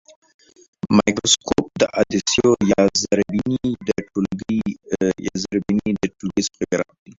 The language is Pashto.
مایکروسکوپ د عدسیو یا زرې بیني د ټولګې څخه عبارت دی.